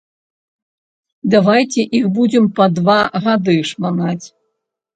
Давайце іх будзем па два гады шманаць.